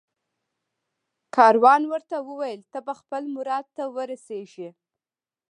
کاروان ورته وویل ته به خپل مراد ته ورسېږې